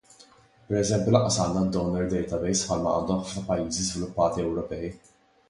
Pereżempju lanqas għandna d-donor database bħalma għandhom f'ħafna pajjiżi żviluppati Ewropej.